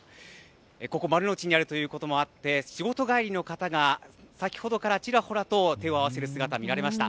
ここ丸の内にあるということもあって仕事帰りの方が先ほどからちらほらと手を合わせる姿、見られました。